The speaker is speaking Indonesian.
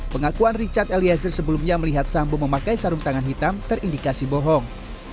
pengakuan richard eliezer sebelumnya melihat sambo memakai sarung tangan hitam terindikasi bohong